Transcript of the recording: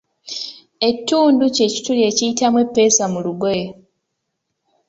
Ettundu ky’ekituli ekiyitamu eppeesa ku lugoye.